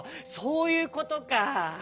そういうことか。